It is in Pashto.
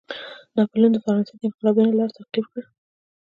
ناپلیون د فرانسې د انقلابینو لار تعقیب کړه.